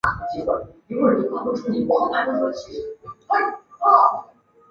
皮姆利科圣加百列堂位于华威广场西南侧。